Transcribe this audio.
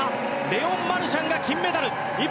レオン・マルシャンが金メダル。